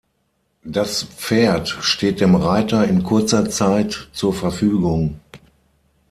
Das Pferd steht dem Reiter in kurzer Zeit zur Verfügung.